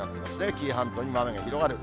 紀伊半島にまで範囲が広がる。